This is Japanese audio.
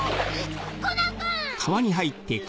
コナン君！